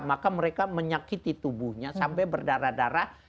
maka mereka menyakiti tubuhnya sampai berdarah darah